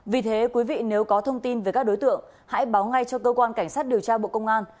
vì thế quý vị nếu có thông tin về các đối tượng hãy báo ngay cho cơ quan cảnh sát điều tra bộ công an